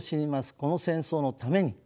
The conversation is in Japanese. この戦争のために。